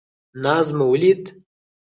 ناز مو ولید.